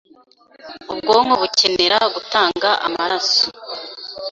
Ubwonko bukenera gutanga amaraso.